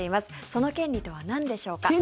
その権利とはなんでしょうか？